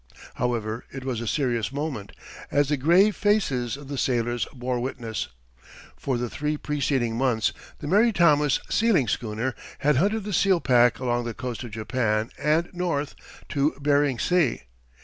However, it was a serious moment, as the grave faces of the sailors bore witness. For the three preceding months the Mary Thomas sealing schooner, had hunted the seal pack along the coast of Japan and north to Bering Sea.